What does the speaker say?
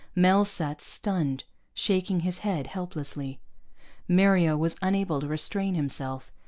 Mel sat stunned, shaking his head helplessly. Mario was unable to restrain himself.